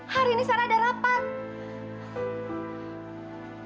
hari ini sarah ada rapat